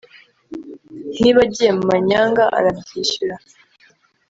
niba agiye mu manyanga arabyishyura